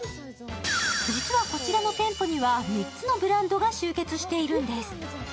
実はこちらの店舗には３つのブランドが集結しているんです。